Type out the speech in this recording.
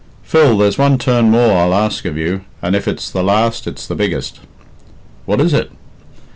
"Phil, there's one turn more I'll ask of you, and, if it's the last, it's the biggest." "What is it?"